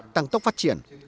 tăng tốc phát triển